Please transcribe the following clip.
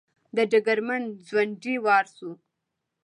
د ډګرمن ځونډي وار شو.